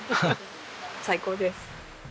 最高です。